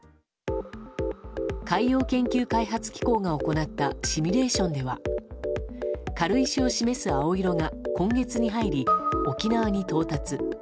海洋研究開発機構が行ったシミュレーションでは軽石を示す青色が今月に入り沖縄に到達。